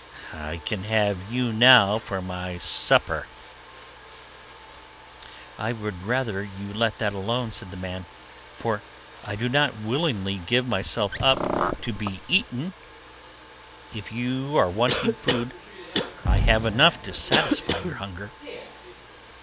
I can have you now for my supper.' 'I would rather you let that alone,' said the man, 'for I do not willingly give myself up to be eaten; if you are wanting food I have enough to satisfy your hunger.